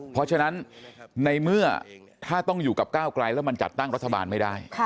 เพราะฉะนั้นในเมื่อถ้าต้องอยู่กับก้าวไกลแล้วมันจัดตั้งรัฐบาลไม่ได้